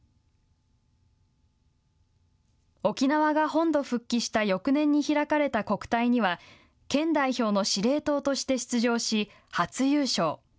沖縄が本土復帰した翌年に開かれた国体には県代表の司令塔として出場し初優勝。